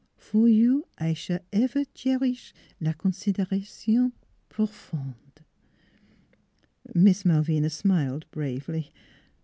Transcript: For you I s'all ever cheris' la consideration profonde." Miss Malvina smiled bravely.